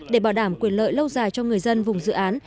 để bảo đảm quyền lợi lâu dài cho người dân vùng dự án